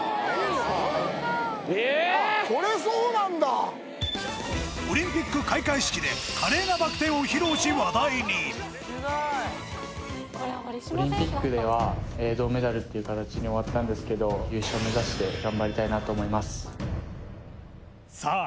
あっオリンピック開会式で華麗なバク転を披露し話題にオリンピックでは銅メダルっていう形に終わったんですけど優勝目指して頑張りたいなと思いますさあ